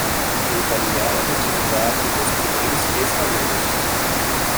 Encaminhar as atividades dos primeiros ex-alunos